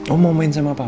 oh mau main sama papa